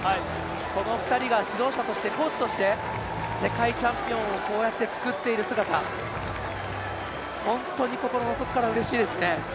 この２人が指導者として、コーチとして世界チャンピオンをこうやって作っている姿、本当に心の底からうれしいですね。